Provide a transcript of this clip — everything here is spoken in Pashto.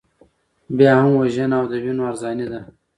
بیا هم وژنه او د وینو ارزاني ده.